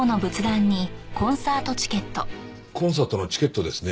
コンサートのチケットですね。